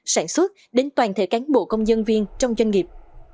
sản xuất đến toàn thể cán bộ công nhân viên trong doanh nghiệp